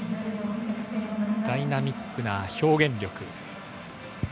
ダイナミックな表現力。